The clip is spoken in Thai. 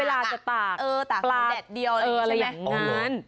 เวลาจะตากปลาแดดเดียวอะไรอย่างนั้น